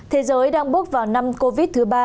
thế giới đang bước vào năm covid thứ ba